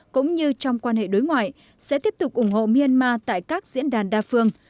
cũng như trong quan hệ đối ngoại sẽ tiếp tục ủng hộ myanmar tại các diễn đàn đa phương